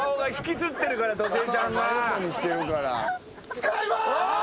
使います！